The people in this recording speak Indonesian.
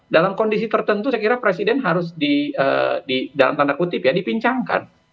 dalam kondisi tertentu saya kira presiden harus dipincangkan